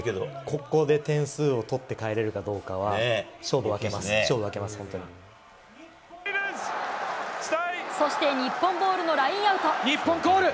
ここで点数を取って帰れるかどうかは、勝負分けます、そして日本ボールのラインア日本コール。